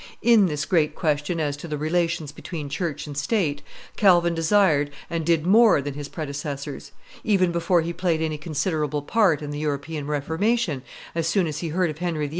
In this great question as to the relations between church and state Calvin desired and did more than his predecessors; even before he played any considerable part in the European Reformation, as soon as he heard of Henry VIII.